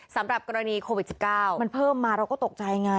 สำหรับกรณีโควิด๑๙มันเพิ่มมาเราก็ตกใจไง